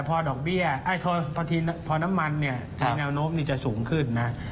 แต่พอน้ำมันเนี่ยในเงานมนิดจะสูงขึ้นนะ